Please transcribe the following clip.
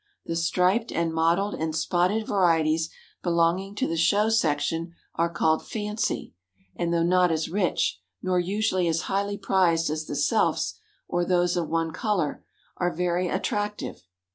The striped and mottled and spotted varieties belonging to the Show section are called Fancy, and though not as rich, nor usually as highly prized as the selfs, or those of one color, are very attractive.